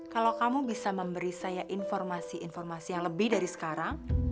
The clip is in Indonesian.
kalau kamu bisa memberi saya informasi informasi yang lebih dari sekarang